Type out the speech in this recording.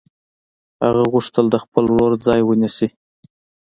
هغه غوښتل د خپل ورور ځای ونیسي